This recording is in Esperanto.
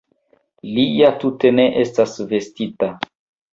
Li ja tute ne estas vestita!